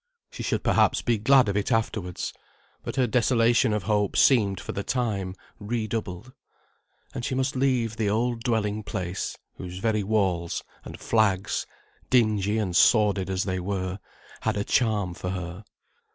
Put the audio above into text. She should perhaps be glad of it afterwards; but her desolation of hope seemed for the time redoubled. And she must leave the old dwelling place, whose very walls, and flags, dingy and sordid as they were, had a charm for her.